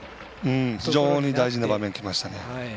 非常に大事な場面きましたね。